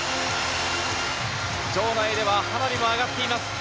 場内では花火も上がっています。